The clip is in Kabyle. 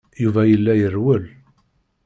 Yuba yella irewwel.